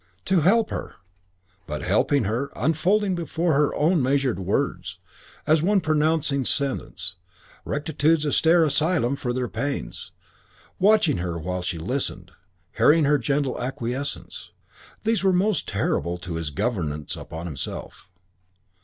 To help her! But helping her, unfolding before her in his own measured words, as one pronouncing sentence, rectitude's austere asylum for their pains, watching her while she listened, hearing her gentle acquiescence, these were most terrible to his governance upon himself.